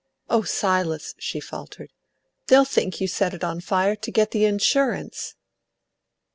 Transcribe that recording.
"O Silas," she faltered, "they'll think you set it on fire to get the insurance!"